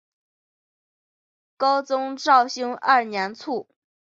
高宗绍兴二年卒。